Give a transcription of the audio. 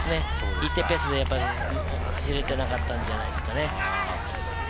一定ペースで走れていなかったんじゃないですかね。